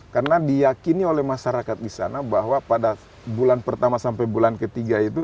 karena diyakini oleh masyarakat di sana bahwa pada bulan pertama sampai bulan ketiga itu